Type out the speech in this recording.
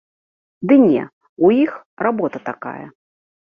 Ды не, у іх работа такая.